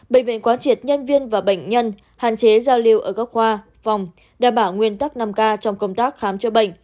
bệnh viện quán triệt nhân viên và bệnh nhân hạn chế giao lưu ở các khoa phòng đảm bảo nguyên tắc năm k trong công tác khám chữa bệnh